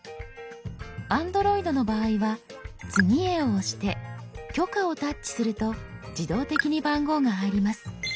Ａｎｄｒｏｉｄの場合は「次へ」を押して「許可」をタッチすると自動的に番号が入ります。